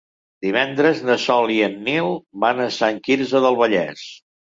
Divendres na Sol i en Nil van a Sant Quirze del Vallès.